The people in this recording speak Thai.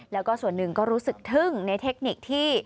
แล้วก็ส่วนหนึ่งก็รู้สึกทึ่งในเทคนิคที่